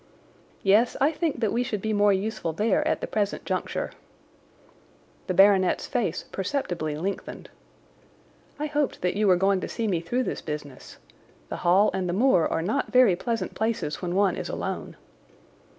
"Yes, I think that we should be more useful there at the present juncture." The baronet's face perceptibly lengthened. "I hoped that you were going to see me through this business. The Hall and the moor are not very pleasant places when one is alone."